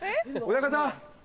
親方！